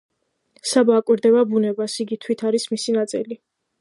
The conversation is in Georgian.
საბა აკვირდება ბუნებას, იგი თვით არის მისი ნაწილი.